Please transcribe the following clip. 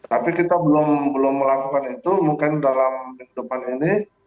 tapi kita belum melakukan itu mungkin dalam kehidupan ini